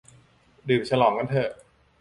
มาดื่มฉลองกันเถอะ